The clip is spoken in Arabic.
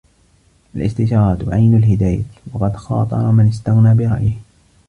الِاسْتِشَارَةُ عَيْنُ الْهِدَايَةِ وَقَدْ خَاطَرَ مَنْ اسْتَغْنَى بِرَأْيِهِ